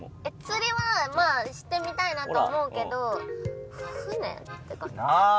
釣りはまあしてみたいなと思うけど。なあ！